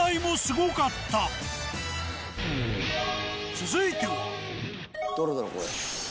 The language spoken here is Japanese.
続いては。